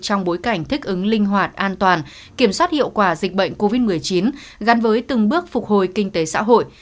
trong bối cảnh thích ứng linh hoạt an toàn kiểm soát hiệu quả dịch bệnh covid một mươi chín gắn với từng bước phục hồi kinh tế xã hội